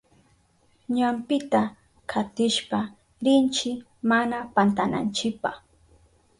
Ñampita katishpa rinchi mana pantananchipa.